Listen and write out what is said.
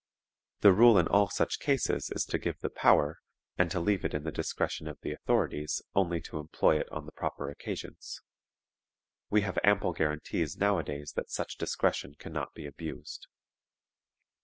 The rule in all such cases is to give the power, and to leave it in the discretion of the authorities only to employ it on proper occasions. We have ample guarantees nowadays that such discretion can not be abused.